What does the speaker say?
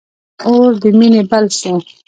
اور د مینی بل سو